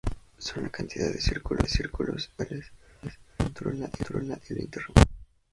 Son la cantidad de circuitos individuales que controla el interruptor.